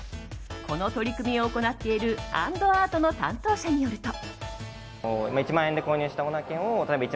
この取り組みを行っているＡＮＤＡＲＴの担当者によると。